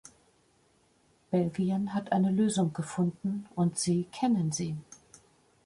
Belgien hat eine Lösung gefunden, und Sie kennen sie.